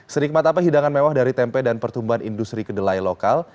senikmat apa hidangan mewah dari tempe dan pertumbuhan industri kedelai lokal